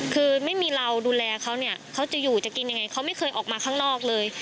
คือไม่มีเราดูแลเขาเนี่ยเขาจะอยู่จะกินยังไงเขาไม่เคยออกมาข้างนอกเลย